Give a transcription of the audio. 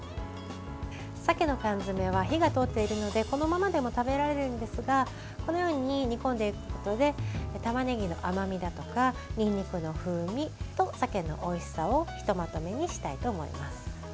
鮭の缶詰は火が通っているのでこのままでも食べられるんですがこのように煮込んでいくことでたまねぎの甘みだとかにんにくの風味と鮭のおいしさをひとまとめにしたいと思います。